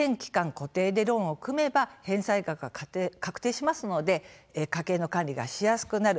固定でローンを組めば返済額が確定しますので家計の管理がしやすくなる